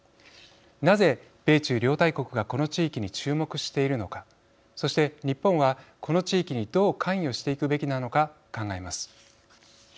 なぜ、米中両大国がこの地域に注目しているのかそして、日本はこの地域にどう関与していくべきなのか考えます。